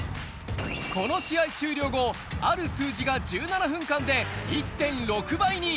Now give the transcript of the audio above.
この試合終了後、ある数字が１７分間で１．６倍に。